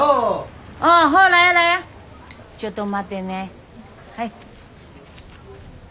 ちょっと待ってね。